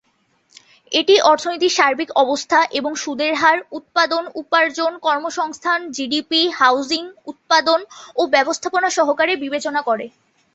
এটি অর্থনীতির সার্বিক অবস্থা এবং সুদের হার, উৎপাদন, উপার্জন, কর্মসংস্থান, জিডিপি, হাউজিং, উৎপাদন ও ব্যবস্থাপনা সহকারে বিবেচনা করে।